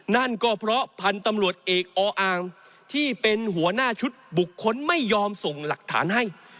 นั่นก็เพราะพันธุ์ตำรวจเอกออ่างที่เป็นหัวหน้าชุดบุคคลไม่ยอมส่งหลักฐานให้